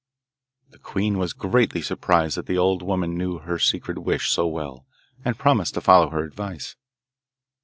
The queen was greatly surprised that the old woman knew her secret wish so well, and promised to follow her advice.